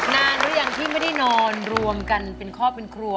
นานหรือยังที่ไม่ได้นอนรวมกันเป็นครอบครัวเป็นครัว